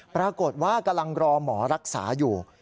ปรากฏว่ากำลังรอหมอรักษาอยู่